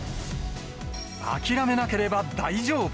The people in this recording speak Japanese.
諦めなければ大丈夫。